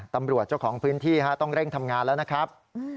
เจ้าของพื้นที่ต้องเร่งทำงานแล้วนะครับ